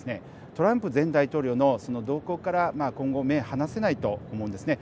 トランプ前大統領の動向から今後、目が離せないと思うんですね。